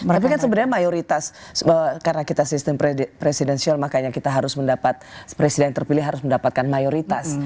tapi kan sebenarnya mayoritas karena kita sistem presidensial makanya kita harus mendapat presiden terpilih harus mendapatkan mayoritas